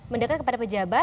mendekat kepada pejabat